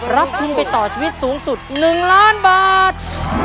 รับทุนไปต่อชีวิตสูงสุด๑ล้านบาท